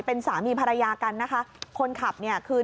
เป็นสามีภรรยากันนะคะคนขับเนี่ยคือ